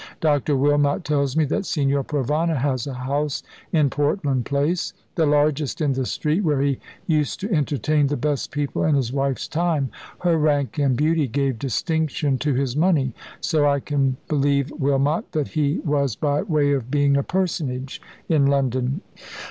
"Dr. Wilmot tells me that Signor Provana has a house in Portland Place the largest in the street, where he used to entertain the best people in his wife's time. Her rank and beauty gave distinction to his money; so I can believe Wilmot that he was by way of being a personage in London."